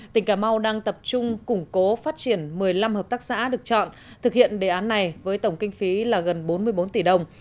tỉnh cà mau đang tập trung củng cố phát triển một mươi năm hợp tác xã được chọn thực hiện đề án này với tổng kinh phí là gần bốn mươi bốn tỷ đồng